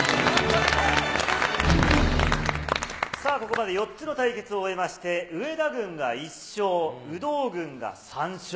さあ、ここまで４つの対決を終えまして、上田軍が１勝、有働軍が３勝。